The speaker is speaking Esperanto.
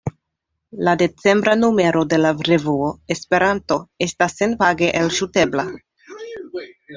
La decembra numero de la revuo Esperanto estas senpage elŝutebla.